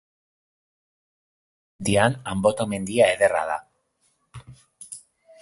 Egunsentian Anboto mendia ederra da